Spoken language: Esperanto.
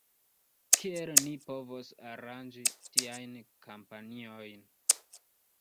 Kiel ni povos aranĝi tiajn kampanjojn?